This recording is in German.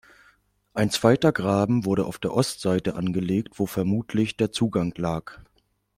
Ein zweiter Graben wurde auf der Ostseite angelegt, wo vermutlich der Zugang lag.